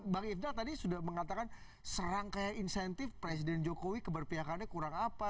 bang ifdal tadi sudah mengatakan serangkaian insentif presiden jokowi keberpihakannya kurang apa